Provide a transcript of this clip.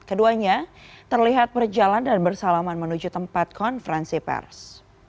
keduanya terlihat berjalan dan bersalaman menuju tempat konferensi pers